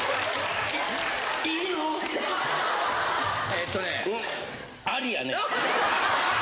えっとね。